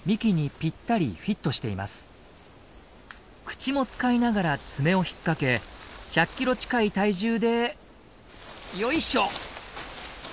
口も使いながら爪を引っ掛け１００キロ近い体重でよいしょ。